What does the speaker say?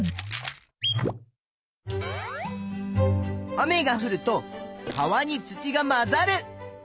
雨がふると川に土が混ざる。